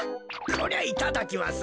こりゃいただきます。